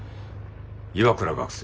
岩倉学生。